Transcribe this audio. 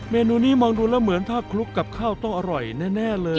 เมนูนี้มองดูแล้วเหมือนถ้าคลุกกับข้าวต้องอร่อยแน่เลย